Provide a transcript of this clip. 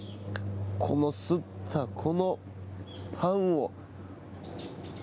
この吸ったこのパンを。